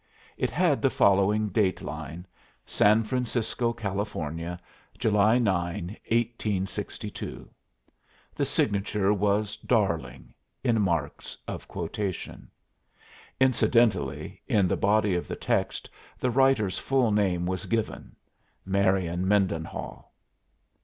It had the following date line: "San Francisco, Cal., July 9, 1862." The signature was "Darling," in marks of quotation. Incidentally, in the body of the text, the writer's full name was given Marian Mendenhall.